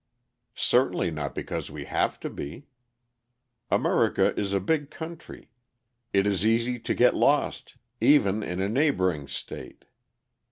Certainly not because we have to be. America is a big country: it is easy to get lost, even in a neighbouring state.